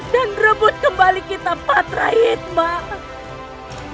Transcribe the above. dan rebut kembali kita patra hidmat